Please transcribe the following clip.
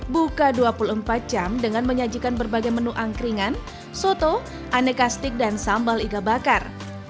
buka dua puluh empat jam dengan menyajikan berbagai menu angkringan soto aneka stik dan sambal iga bakar